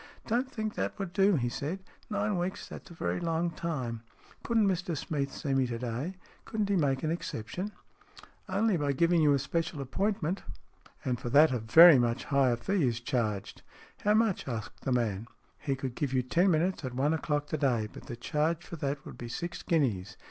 "Don't think that would do," he said. "Nine weeks that's a very long time. Couldn't Mr Smeath see me to day? Couldn't he make an exception ?" "Only by giving you a special appointment. UES IN GREY And for that a very much higher fee is charged." " How much ?" asked the man. " He could give you ten minutes at one o'clock to day. But the charge for that would be six guineas.